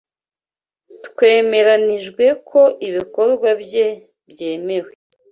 Twemeranijwe ko ibikorwa bye byemewe.